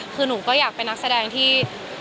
คือหนูก็อยากเป็นนักแสดงที่